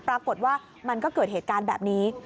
ปรากฏว่ามันก็เกิดเหตุการณ์แบบนี้